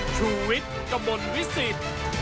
ชุวิตกระมวลวิสิต